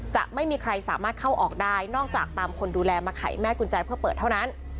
จะไม่มีใครสามารถเข้าออกได้นอกจากตามคนดูแลมาไขแม่กุญแจเพื่อเปิดเท่านั้น